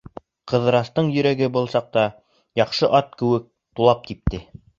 Ҡыҙырастың йөрәге был саҡта, яҡшы ат кеүек, тулап типте.